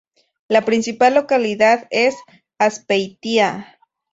La principal localidad es Azpeitia.